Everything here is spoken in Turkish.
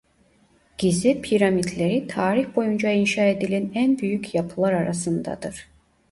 Gize piramitleri tarih boyunca inşa edilen en büyük yapılar arasındadır.